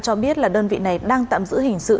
cho biết là đơn vị này đang tạm giữ hình sự